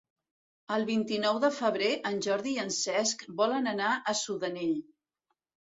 El vint-i-nou de febrer en Jordi i en Cesc volen anar a Sudanell.